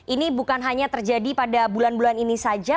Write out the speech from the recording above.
ini bukan hanya terjadi pada bulan bulan ini saja